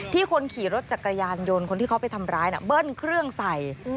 คนขี่รถจักรยานยนต์คนที่เขาไปทำร้ายเบิ้ลเครื่องใส่